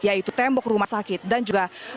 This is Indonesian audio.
yaitu tembok rumah sakit dan juga